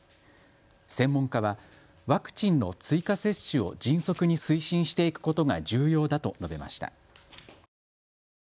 専門家はワクチンの追加接種を迅速に推進していくことが重要だと述べました。